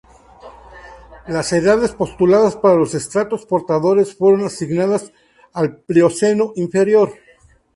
Las edades postuladas para los estratos portadores fueron asignadas al Plioceno inferior.